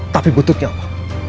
tapi butuhnya apa